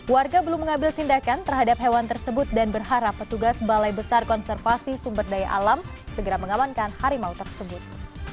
warga belum mengambil tindakan terhadap hewan tersebut dan berharap petugas balai besar konservasi sumber daya alam segera mengamankan harimau tersebut